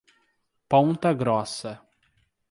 Ponta Grossa